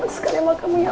enggak lu kenapa begini